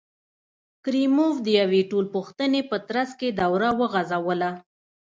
کریموف د یوې ټولپوښتنې په ترڅ کې دوره وغځوله.